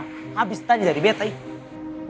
habis tadi dari beta